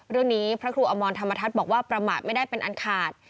พระครูอมรธรรมทัศน์บอกว่าประมาทไม่ได้เป็นอันขาด